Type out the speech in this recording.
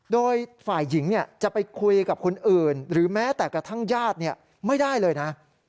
โดยฝ่ายหญิงจะไปคุยกับคนอื่นหรือแม้แต่กระทั่งญาติไม่ได้เลยนะ